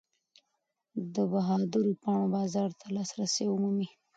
د بهادرو پاڼو بازار ته لاسرسی ومومئ.